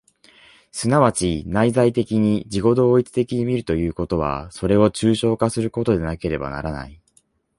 即ち内在的に自己同一的に見るということは、それを抽象化することでなければならない。